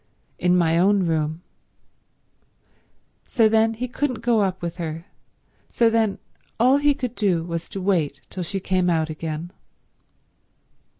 "In my own room." So then he couldn't go up with her; so then all he could do was to wait till she came out again.